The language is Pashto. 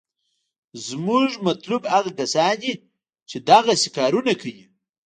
زمونګه مطلوب هغه کسان دي چې دقسې کارونه کيي.